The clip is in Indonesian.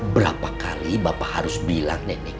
berapa kali bapak harus bilang nenek